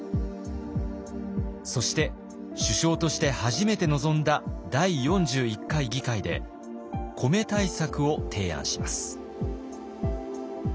そして首相として初めて臨んだ第４１回議会で米対策を提案します。